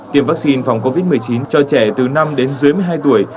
tiêm vaccine phòng covid một mươi chín cho trẻ từ năm đến dưới một mươi hai tuổi